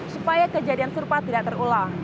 supaya kejadian serupa tidak terulang